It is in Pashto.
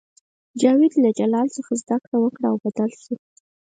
جاوید له جلان څخه زده کړه وکړه او بدل شو